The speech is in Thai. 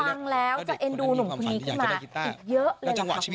ฟังแล้วจะเอ็นดูหนุ่มคุณนี้ขึ้นมาอีกเยอะเลยครับคุณผู้ชม